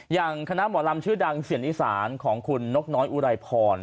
อย่างคณะหมอลำชื่อดังเสียงอีสานของคุณนกน้อยอุไรพร